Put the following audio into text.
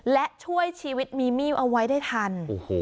และช่วยชีวิตมีมี่เอาไว้ได้ทัน